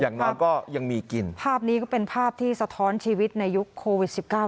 อย่างน้อยก็ยังมีกินภาพนี้ก็เป็นภาพที่สะท้อนชีวิตในยุคโควิดสิบเก้า